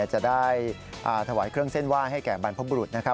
จะได้ถวายเครื่องเส้นไหว้ให้แก่บรรพบุรุษนะครับ